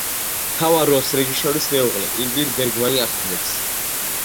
მთავარ როლს რეჟისორის მეუღლე, ინგრიდ ბერგმანი ასრულებს.